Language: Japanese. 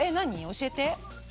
教えて。